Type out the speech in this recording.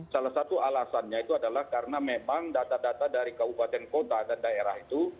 salah satu alasannya itu adalah karena memang data data dari kabupaten kota dan daerah itu